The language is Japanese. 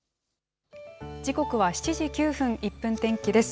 時刻は７時９分、１分天気です。